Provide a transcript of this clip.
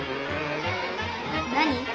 何？